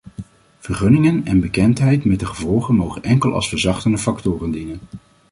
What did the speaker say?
Vergunningen en bekendheid met de gevolgen mogen enkel als verzachtende factoren dienen.